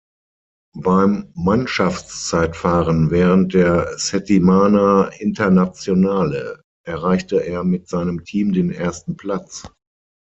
Beim Mannschaftszeitfahren während der Settimana Internazionale erreichte er mit seinem Team den ersten Platz.